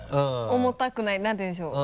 重たくない何て言うんでしょう？